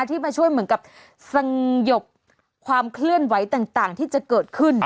ที่มาช่วยเหมือนกับสงบความเคลื่อนไหวต่างที่จะเกิดขึ้น